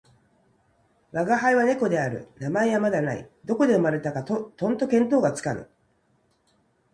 吾輩は猫である。名前はまだない。どこで生れたかとんと見当がつかぬ。